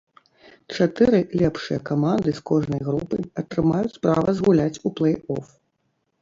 Чатыры лепшыя каманды з кожнай групы атрымаюць права згуляць у плэй-оф.